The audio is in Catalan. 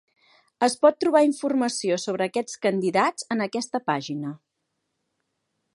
Es pot trobar informació sobre aquests candidats en aquesta pàgina.